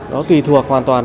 đó tùy thuộc hoàn toàn